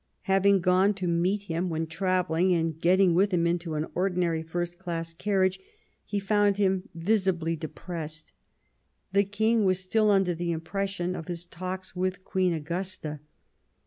Having gone to meet him when travelling, and getting with him into an ordinary first class car riage, he found him " visibly depressed." The King was still under the impression of his talks with Queen Augusta.